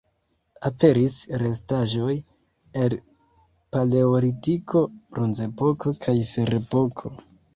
Aperis restaĵoj el Paleolitiko, Bronzepoko kaj Ferepoko.